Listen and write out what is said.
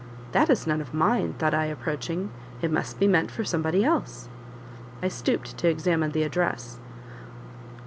"That is none of mine," thought I, approaching; "it must be meant for somebody else." I stooped to examine the address: "Wm.